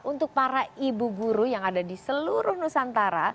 untuk para ibu guru yang ada di seluruh nusantara